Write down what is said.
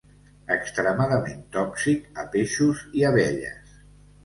Extremadament tòxic a peixos i abelles.